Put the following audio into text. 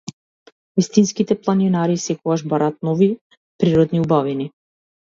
Вистинските планинари секогаш бараат нови природни убавини.